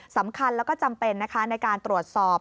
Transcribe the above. สำคัญแล้วก็จำเป็นนะคะในการตรวจสอบ